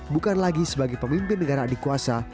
bukan lagi sebagai pemimpin negara adik kuasa